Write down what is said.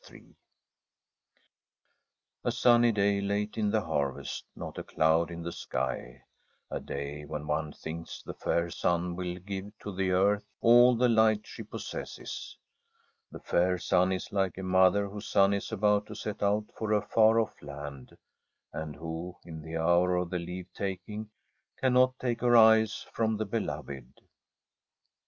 Ill A SUNNY day late in the harvest, not a cloud in the sky ; a day when one thinks the fair sun will give to the earth all the light she possesses I The fair sun is like a mother whose son is about to set out for a far off land, and who, in the hour of the leave taking, cannot take her eyes from the beloved.